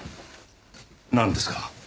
なんですか？